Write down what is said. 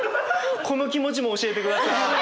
この気持ちも教えてください。